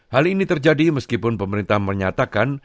hal ini terjadi meskipun pemerintah menyatakan